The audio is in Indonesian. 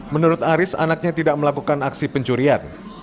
menurut aris anaknya tidak melakukan aksi pencurian